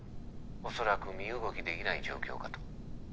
おそらく身動きできない状況かと。